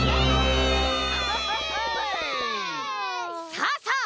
さあさあ